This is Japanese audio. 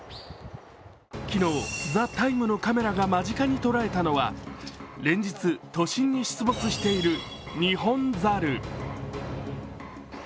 昨日「ＴＨＥＴＩＭＥ，」のカメラが間近に捉えたのは連日、都心に出没している日本猿。